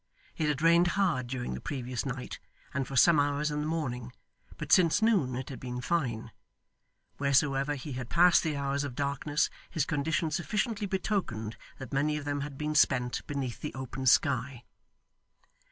It had rained hard during the previous night and for some hours in the morning, but since noon it had been fine. Wheresoever he had passed the hours of darkness, his condition sufficiently betokened that many of them had been spent beneath the open sky.